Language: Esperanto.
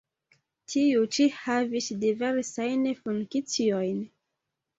Tiu ĉi havis diversajn funkciojn.